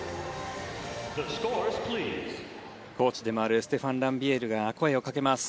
コーチでもあるステファン・ランビエールが声をかけます。